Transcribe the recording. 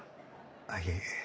あっいえ。